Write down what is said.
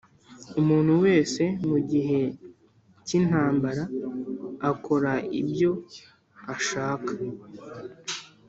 Umuntu wese mu gihe cy’ intambara akora ibyo ashaka